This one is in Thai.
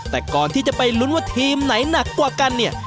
แต่ก่อนที่จะไปลุ้นว่าทีมไหนหนักกว่ากันเนี่ย